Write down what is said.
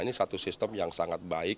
ini satu sistem yang sangat baik